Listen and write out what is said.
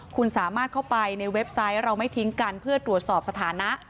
คุณสามารถเข้าไปในเว็บไซต์เราไม่ทิ้งกันเพื่อตรวจสอบสถานะ